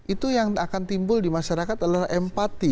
itu yang akan timbul di masyarakat adalah empati